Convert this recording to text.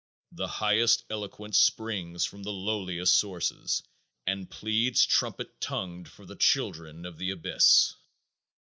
The highest eloquence springs from the lowliest sources and pleads trumpet tongued for the children of the abyss.